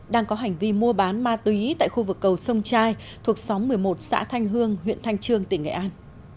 đang có hành vi mua bán ma túy tại khu vực cầu sông trai thuộc xóm một mươi một xã thanh hương huyện thanh trương tỉnh nghệ an